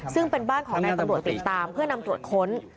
ซึ่งเป็นบ้านของนายตำรวจติดตามเพื่อนำตรวจค้น